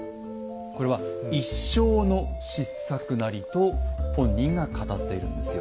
「これは一生の失策なり」と本人が語っているんですよ。